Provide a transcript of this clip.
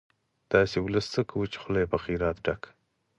داسې ولس څه کوو، چې خوله يې په خيرات ډکه